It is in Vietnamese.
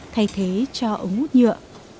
thay thế cho ống hút nhựa